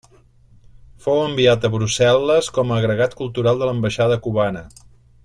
Fou enviat a Brussel·les com a agregat cultural de l'ambaixada cubana.